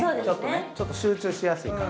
ちょっと集中しやすい感じ。